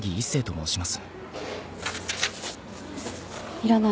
いらない。